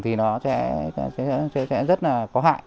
thì nó sẽ rất là có hại